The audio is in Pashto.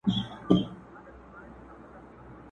تښتي خوب له شپو څخه، ورځي لکه کال اوږدې؛